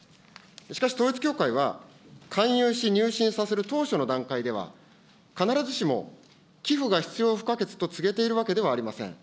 しかし統一教会は、勧誘し、入信させる当初の段階では、必ずしも寄付が必要不可欠と告げているわけではありません。